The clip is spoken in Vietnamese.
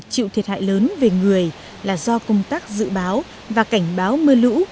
chịu thiệt hại lớn về người là do công tác dự báo và cảnh báo mưa lũ